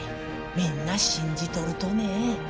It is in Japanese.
みんな信じとるとね。